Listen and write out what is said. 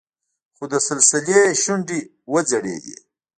خو د سلسلې شونډې وځړېدې.